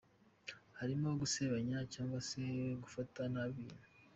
Harimo gusebanya cyangwa se gufata nabi ibintu.